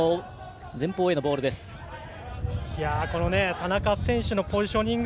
田中選手のポジショニング